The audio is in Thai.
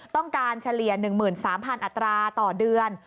ต้องการเฉลี่ย๑๓๐๐๐อัตราต่อเดือน